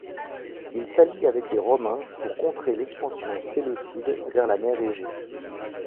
Il s'allie avec les Romains pour contrer l'expansion séleucide vers la mer Égée.